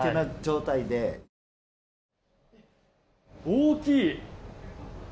大きい！